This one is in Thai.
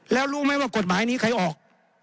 แล้วรู้ไหมว่ากฎหมายนี้ใครออก